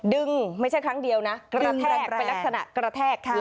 ไม่ใช่ครั้งเดียวนะกระแทกเป็นลักษณะกระแทกค่ะ